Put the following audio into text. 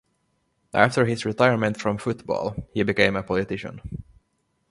After his retirement from football, he became a politician.